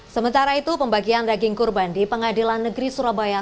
sementara itu pembagian daging kurban di pengadilan negeri surabaya